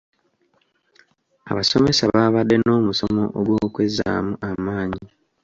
Abasomesa baabadde n'omusomo ogw'okwezzaamu amaanyi.